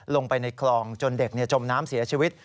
ลงไปในคลองจนเด็กจมน้ำเสียชีวิต